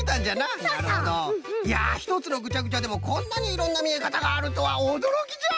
いやひとつのぐちゃぐちゃでもこんなにいろんなみえかたがあるとはおどろきじゃ。